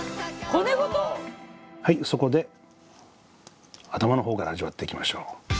はいそこで頭の方から味わっていきましょう。